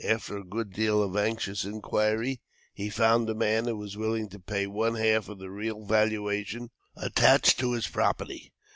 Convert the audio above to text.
After a good deal of anxious inquiry, he found a man who was willing to pay one half of the real valuation attached to his property.